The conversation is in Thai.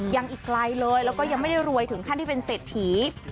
ยังอีกไกลเลยแล้วก็ยังไม่ได้รวยถึงขั้นที่เป็นเศรษฐี